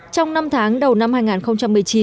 trong năm tháng đầu năm hai nghìn một mươi chín